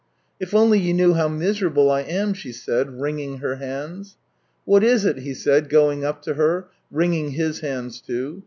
"If only you knew how miserable I am !" she said, wringing her hands. " What is it ?" he said, going up to her, wringing his hands too.